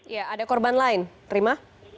ya ada korban lain prima